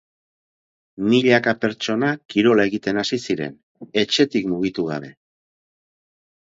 Milaka pertsona kirola egiten hasi ziren, etxetik mugitu gabe.